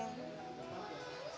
udah di custom